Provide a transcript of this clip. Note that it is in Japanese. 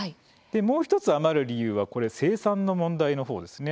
もう１つ、余る理由はこれ、生産の問題の方です。